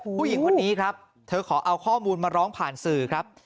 ผู้หญิงคนนี้ครับเธอขอเอาข้อมูลมาร้องผ่านสื่อครับ